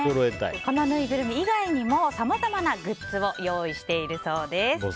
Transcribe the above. このぬいぐるみ以外にもさまざまなグッズを用意しているそうです。